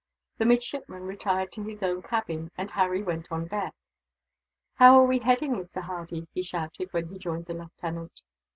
The midshipman retired to his own cabin, and Harry went on deck. "How are we heading, Mr. Hardy?" he shouted, when he joined the lieutenant.